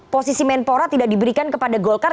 posisi menpora tidak diberikan kepada golkar